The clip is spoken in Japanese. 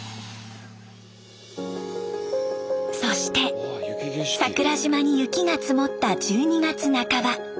そして桜島に雪が積もった１２月半ば。